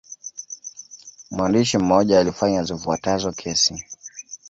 Mwandishi mmoja alifanya zifuatazo kesi.